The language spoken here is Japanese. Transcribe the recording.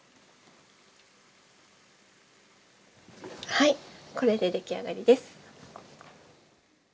はいこれで出来上がりです。